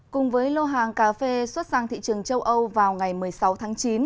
cùng với lô hàng cà phê xuất sang thị trường châu âu vào ngày một mươi sáu tháng chín